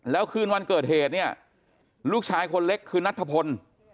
แล้วคืนวันเกิดเหตุเนี่ยลูกชายคนเล็กคือนัทธพล